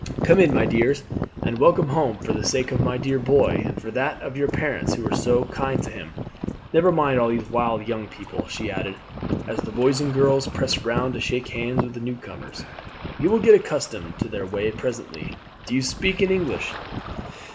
"Come in, my dears, and welcome home for the sake of my dear boy, and for that of your parents who were so kind to him. Never mind all these wild young people," she added, as the boys and girls pressed round to shake hands with the new comers. "You will get accustomed to their way presently. Do you speak in English?"